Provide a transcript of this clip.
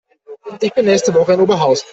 Ich bin nächste Woche in Oberhausen